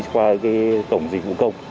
qua tổng dịch vụ công